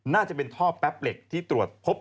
น่าจะเป็นท่อแป๊บเหล็กที่ตรวจพบ